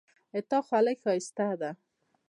د تا خولی ښایسته ده